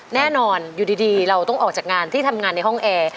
แน่นอนอยู่ดีเราต้องออกจากงานที่ทำงานในห้องแอร์